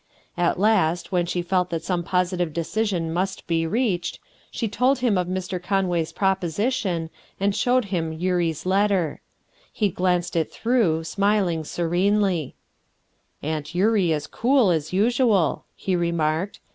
At last, when she felt that some positive decision must be reached, she told him of Mr. Conway's proposition, and showed him Eurie's letter. He glanced it through, smiling serenely: — "Aunt Eurie is cool, as usual," he remarked.